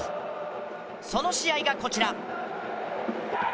その試合がこちら。